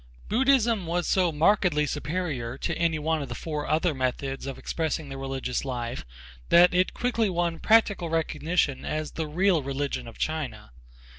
Buddhism was so markedly superior to any one of the four other methods of expressing the religious life, that it quickly won practical recognition as the real religion of China.